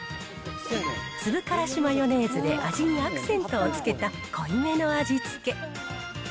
粒からしマヨネーズで味にアクセントをつけた濃いめの味付け。